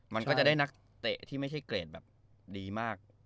มันก็จะได้นักเตะที่ไม่ใช่เกรดแบบดีมาก